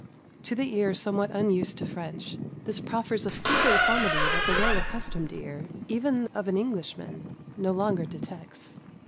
To the ear somewhat unused to French this proffers a frequent comedy that the well accustomed ear, even of an Englishman, no longer detects.